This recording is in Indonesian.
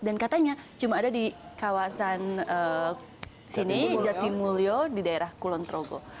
dan katanya cuma ada di kawasan sini jatimulyo di daerah kulonprogo